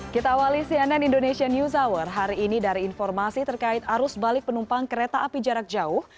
kita awali cnn indonesian news hour hari ini dari informasi terkait arus balik penumpang kereta api jarak jauh